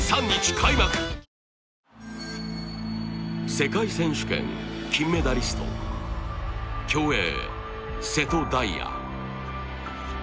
世界選手権金メダリスト競泳瀬戸大也